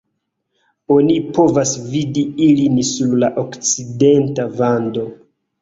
Oni povas vidi ilin sur la okcidenta vando.